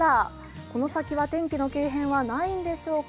この先は天気の急変はないんでしょうか？